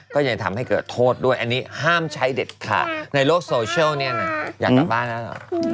ก็ยังทำให้เกิดโทษด้วยอันนี้ห้ามใช้เด็ดขาดในโลกโซเชียลเนี่ยนะอยากกลับบ้านแล้วเหรอ